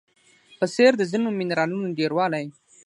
په څېر د ځینو منرالونو ډیروالی